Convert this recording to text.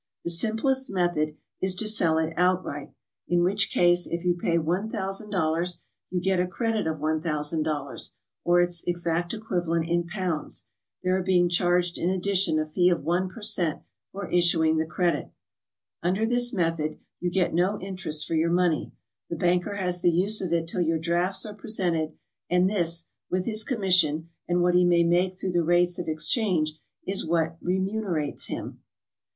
The simplest method is to sell it outright, in which case, if you pay $1000, you get a credit of $1000, or its exact equivalent in pounds, there being charged in addition a fee of one per cent, for issuing the credit. Under tl is method, you get no interest for your money; the banker has the use of it till your drafts are presented, and this, with his commission, and what he may make through the rates of exchange, is what remu nerates him.